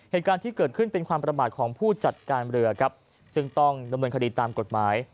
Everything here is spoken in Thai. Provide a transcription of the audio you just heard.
เหตุการณ์ที่เกิดขึ้นเป็นความประมาทของผู้จัดการเรือครับซึ่งต้องดำเนินคดีตามกฎหมาย